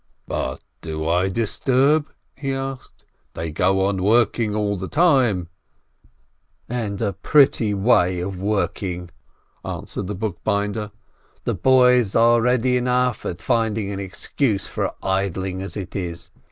"But do I disturb?" he asked. "They go on working all the time— "And a pretty way of working," answered the book binder. "The boys are ready enough at finding an excuse for idling as it is